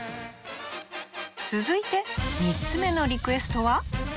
続いて３つ目のリクエストは？